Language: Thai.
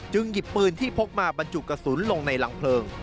หยิบปืนที่พกมาบรรจุกระสุนลงในหลังเพลิง